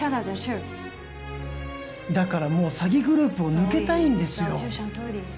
だからもう詐欺グループを抜けたいんですよ